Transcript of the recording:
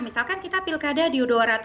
misalkan kita pilkada di dua ratus tujuh puluh